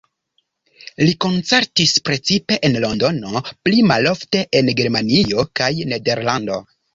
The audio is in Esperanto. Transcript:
Li koncertis precipe en Londono, pli malofte en Germanio kaj Nederlando.